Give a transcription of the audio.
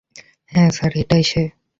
হ্যাঁ স্যার, এটাই সে!